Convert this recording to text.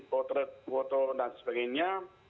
potret foto dan sebagainya